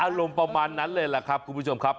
อารมณ์ประมาณนั้นเลยแหละครับคุณผู้ชมครับ